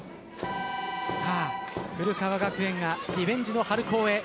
古川学園がリベンジの春高へ。